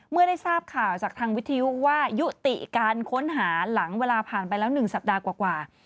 เมื่อได้ทราบข่าวจากทางวิทยุว่ายุติการค้นหาหลังเวลาผ่านไปแล้ว๑สัปดาห์กว่า